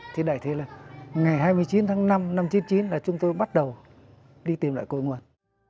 thì đại thế là ngày hai mươi chín tháng năm năm một nghìn chín trăm chín mươi chín là chúng tôi bắt đầu đi tìm lại cội nguồn